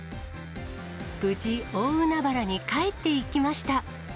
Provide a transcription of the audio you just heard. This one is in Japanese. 無事、大海原に帰っていきました。